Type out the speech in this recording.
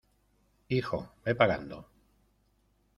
hijo, ve pagando...